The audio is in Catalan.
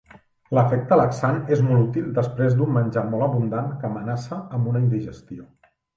L'efecte laxant és molt útil després d'un menjar molt abundant que amenaça amb una indigestió.